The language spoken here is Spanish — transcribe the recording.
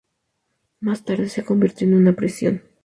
Más tarde se convirtió en una prisión.